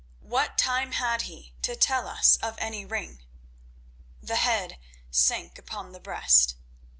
What time had he to tell us of any ring?" The head sank upon the breast.